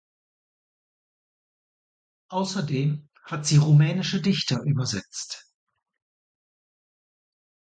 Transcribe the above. Außerdem hat sie rumänische Dichter übersetzt.